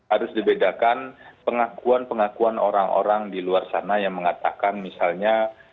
harus dibedakan pengakuan pengakuan orang orang di luar sana yang mengatakan misalnya